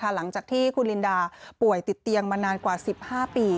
หลังจากที่คุณลินดาป่วยติดเตียงมานานกว่า๑๕ปี